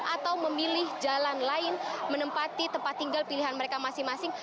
atau memilih jalan lain menempati tempat tinggal pilihan mereka masing masing